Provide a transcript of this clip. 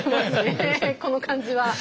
この感じは。